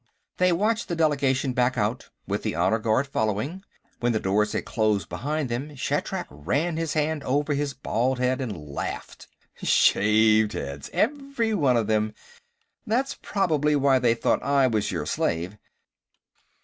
They watched the delegation back out, with the honor guard following. When the doors had closed behind them, Shatrak ran his hand over his bald head and laughed. "Shaved heads, every one of them. That's probably why they thought I was your slave.